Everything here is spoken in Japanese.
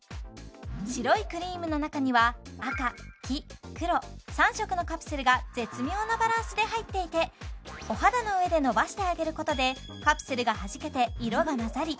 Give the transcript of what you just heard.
白いクリームの中には赤黄黒３色のカプセルが絶妙なバランスで入っていてお肌の上でのばしてあげることでカプセルがはじけて色が混ざり